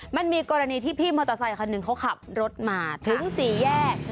มันมีกรณีที่พี่มอเตอร์ไซคันหนึ่งเขาขับรถมาถึงสี่แยก